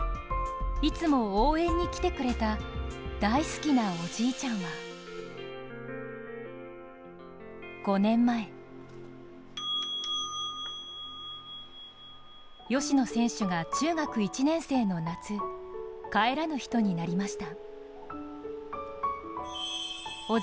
いつも応援に来てくれた大好きなおじいちゃんは５年前吉野選手が中学１年生の夏帰らぬ人になりました。